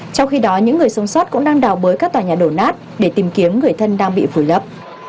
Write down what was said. trong khi đó những người sống sót cũng đang đào bới các tòa nhà đổ nát để tìm kiếm người thân đang bị vùi lấp